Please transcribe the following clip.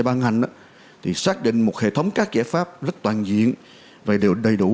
ban hành thì xác định một hệ thống các giải pháp rất toàn diện và đều đầy đủ